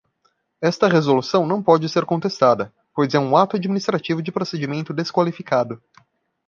Esta resolução não pode ser contestada, pois é um ato administrativo de procedimento desqualificado.